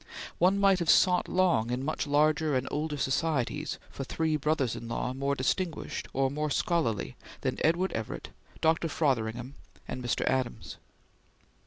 One might have sought long in much larger and older societies for three brothers in law more distinguished or more scholarly than Edward Everett, Dr. Frothingham, and Mr. Adams.